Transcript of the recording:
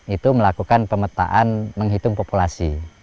itu melakukan pemetaan menghitung populasi